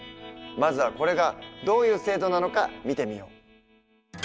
まずはこれがどういう制度なのか見てみよう。